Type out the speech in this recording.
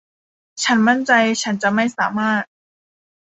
ฉันมั่นใจฉันจะไม่สามารถ